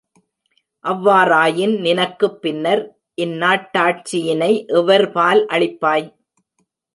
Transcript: அவ்வாறாயின், நினக்குப் பின்னர், இந்நாட்டாட்சியினை எவர்பால் அளிப்பாய்!